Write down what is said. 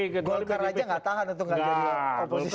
golkar aja gak tahan untuk gak jadi oposisi